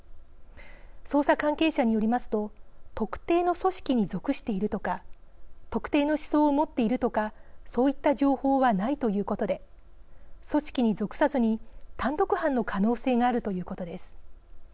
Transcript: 捜査関係者によりますと特定の組織に属しているとか特定の思想を持っているとかそういった情報はないということで組織に属さずに単独犯の可能性があるということです。